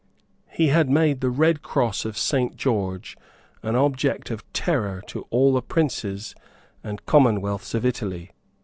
He had made the red cross of Saint George an object of terror to all the princes and commonwealths of Italy.